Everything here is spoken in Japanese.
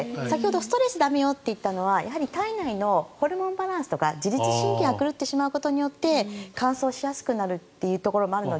ストレス駄目よと言ったのはやはり体内のホルモンバランスとか自律神経が狂ってしまうことによって乾燥しやすくなるというところもあるので。